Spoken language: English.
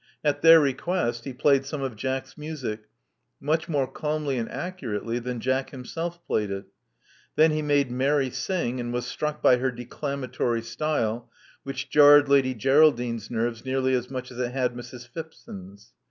At their request he played some of Jack*s music, much more calmly and accurately than Jack himself played it. Then he made Mary sing, and was struck by her declamatory style, which jarred Lady Geraldine's nerves nearly as much as it had Mrs. Phipson*s.